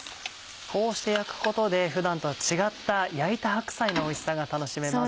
こうして焼くことで普段とは違った焼いた白菜のおいしさが楽しめます。